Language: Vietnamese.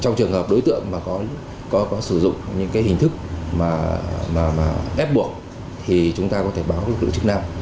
trong trường hợp đối tượng mà có sử dụng những hình thức mà ép buộc thì chúng ta có thể báo được lựa chức nào